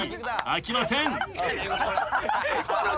開きません。